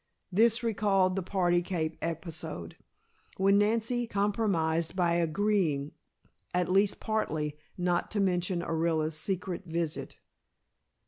This recalled the party cape episode, when Nancy compromised by agreeing, at least partly, not to mention Orilla's secret visit.